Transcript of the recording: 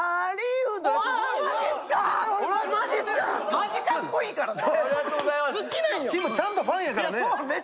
マジかっこいいからね。